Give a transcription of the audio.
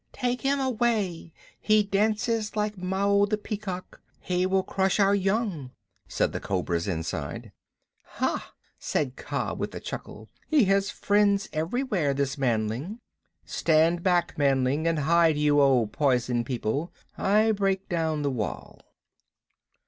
"Take him away. He dances like Mao the Peacock. He will crush our young," said the cobras inside. "Hah!" said Kaa with a chuckle, "he has friends everywhere, this manling. Stand back, manling. And hide you, O Poison People. I break down the wall."